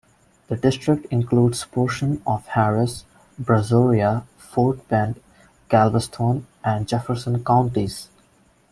The district includes portions of Harris, Brazoria, Fort Bend, Galveston, and Jefferson counties.